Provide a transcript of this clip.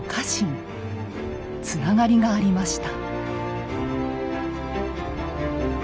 つながりがありました。